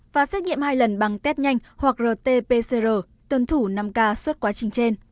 và xét nghiệm hai lần bằng test nhanh hoặc rt pcr tuân thủ năm k suốt quá trình trên